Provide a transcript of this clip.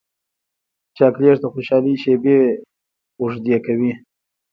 چاکلېټ د خوشحالۍ شېبې اوږدې کوي.